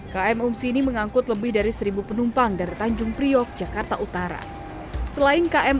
km umsini mengangkut lebih dari seribu penumpang dari tanjung priok jakarta utara selain km